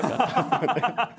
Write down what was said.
ハハハハ！